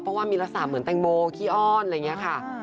เพราะว่ามีลักษณะเหมือนแตงโมขี้อ้อนอะไรอย่างนี้ค่ะ